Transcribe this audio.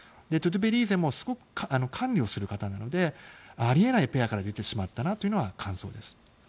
トゥトベリーゼもすごく管理をする方なのであり得ないペアから出てしまったなというのが感想です。